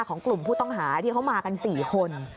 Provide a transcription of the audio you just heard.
ของกลุ่มผู้ต้องหาที่เขามากัน๔คน